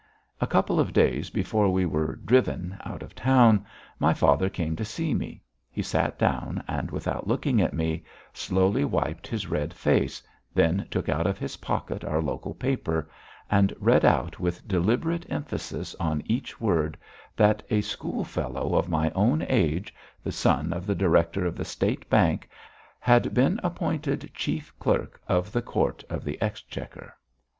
A couple of days before we were "driven" out of town, my father came to see me. He sat down and, without looking at me, slowly wiped his red face, then took out of his pocket our local paper and read out with deliberate emphasis on each word that a schoolfellow of my own age, the son of the director of the State Bank, had been appointed chief clerk of the Court of the Exchequer.